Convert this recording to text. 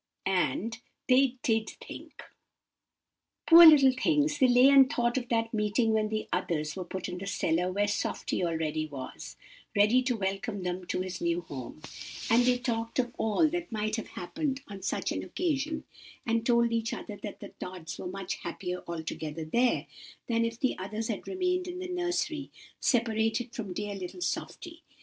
"And they did think. Poor little things, they lay and thought of that meeting when 'the others' were put in the cellar where 'Softy' already was, ready to welcome them to his new home; and they talked of all that might have happened on such an occasion, and told each other that the Tods were much happier altogether there, than if the others had remained in the nursery separated from dear little Softy.